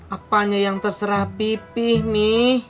apanya yang terserah pipih mi